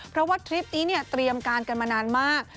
เพราะว่าทริปนี้เนี่ยเตรียมการกันมานานมาก